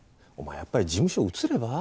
やっぱり事務所移れば？